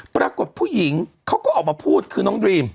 ปรากฏผู้หญิงเขาก็ออกมาพูดคือน้องดรีม